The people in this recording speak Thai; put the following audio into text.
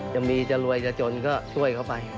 จะรวยจะจนก็ช่วยเขาไป